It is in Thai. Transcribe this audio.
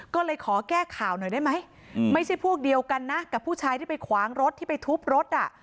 ก็เลยขอแก้ข่าวหน่อยได้ไหมไม่ใช่พวกเดียวกันนะกับผู้ชายที่ไปขวางรถที่ไปทุบรถอ่ะ